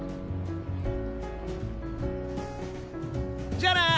じゃあな！